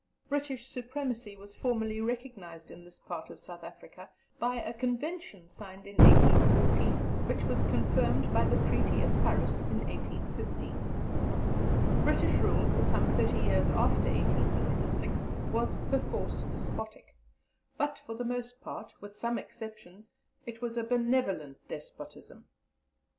British supremacy was formally recognized in this part of South Africa by a Convention signed in 1814, which was confirmed by the Treaty of Paris in 1815. British rule for some thirty years after 1806 was perforce despotic, but for the most part, with some exceptions, it was a benevolent despotism.